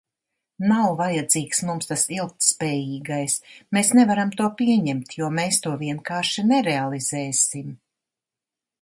Nav vajadzīgs mums tas ilgtspējīgais, mēs nevaram to pieņemt, jo mēs to vienkārši nerealizēsim.